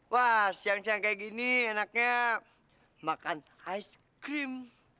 wah siang siang kayak gini enaknya makan ice cream